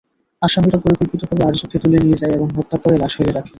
আসামিরা পরিকল্পিতভাবে আরজুকে তুলে নিয়ে যায় এবং হত্যা করে লাশ ফেলে রাখে।